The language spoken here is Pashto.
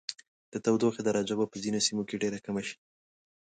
د تودوخې درجه به په ځینو سیمو کې ډیره کمه شي.